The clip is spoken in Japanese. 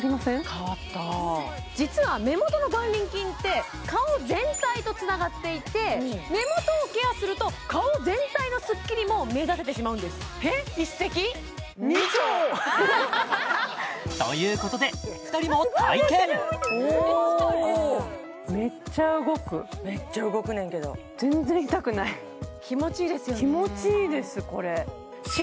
変わった実は目元の眼輪筋って顔全体とつながっていて目元をケアすると顔全体のスッキリも目指せてしまうんですということで２人も体験おおめっちゃ動くめっちゃ動くねんけど気持ちいいですよね